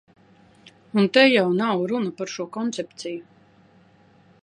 Un te jau nav runa par šo koncepciju.